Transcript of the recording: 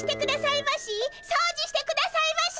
そうじしてくださいまし！